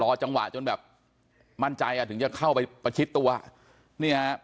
จังหวะจนแบบมั่นใจอ่ะถึงจะเข้าไปประชิดตัวเนี่ยฮะ